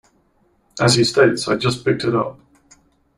As he states, I just picked it up.